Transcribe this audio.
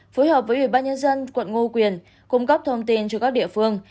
phối hợp với ubnd tp hải phòng cung cấp thông tin cho các địa phương